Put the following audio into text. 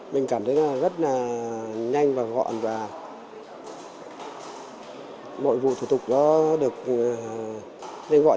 mình cảm thấy rất nhanh và gọn và mọi vụ thủ tục được gọi